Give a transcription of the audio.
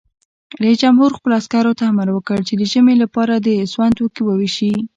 رئیس جمهور خپلو عسکرو ته امر وکړ؛ د ژمي لپاره د سون توکي وویشئ!